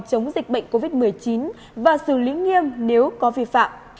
chống dịch bệnh covid một mươi chín và xử lý nghiêm nếu có vi phạm